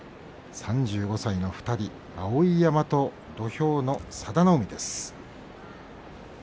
３５歳の２人碧山と土俵にいる佐田の海です。